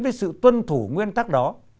với sự tuân thủ nguyên tắc đó